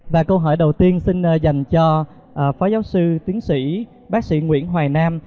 và câu hỏi đầu tiên xin dành cho phó giáo sư tiến sĩ bác sĩ nguyễn hoài nam